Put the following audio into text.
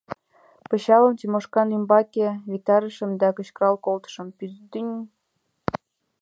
Пычалым Тимошкан ӱмбаке виктарышым да кычкырал колтышым: бздӱ-ӱ-ӱҥ!